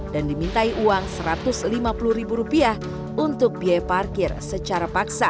dan dimintai uang satu ratus lima puluh ribu rupiah untuk biaya parkir secara paksa